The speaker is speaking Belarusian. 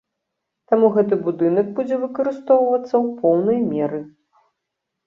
Таму гэты будынак будзе выкарыстоўвацца ў поўнай меры.